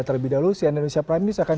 terlebih dahulu si anonimusia prime news akan